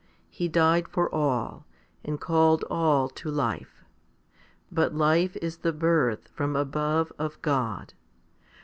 He died for all, and called all to life. But life is the birth from above of God.